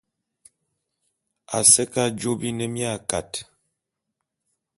A se ke ajô bi ne mia kat.